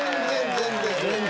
全然！